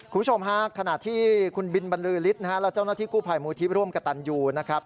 คุณผู้ชมฮะขณะที่คุณบินบรรลือฤทธิ์นะฮะและเจ้าหน้าที่กู้ภัยมูลที่ร่วมกับตันยูนะครับ